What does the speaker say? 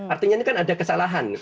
artinya ini kan ada kesalahan